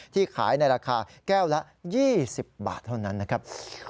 ขายในราคาแก้วละ๒๐บาทเท่านั้นนะครับ